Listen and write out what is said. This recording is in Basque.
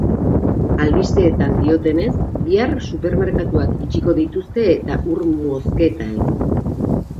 Albisteetan diotenez, bihar supermerkatuak itxiko dituzte eta ur mozketa egin!